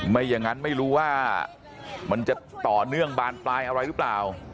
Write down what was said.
ไม่อย่างนั้นไม่รู้ว่ามันจะต่อเนื่องบานปลายอะไรหรือเปล่า